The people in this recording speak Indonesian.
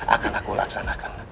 akan aku laksanakan